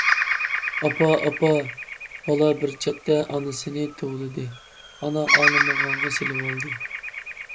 «ئاپا، ئاپا. » بالا بىر چەتتە ئانىسىنى توۋلىدى، ئانا ئاڭلىمىغانغا سېلىۋالدى.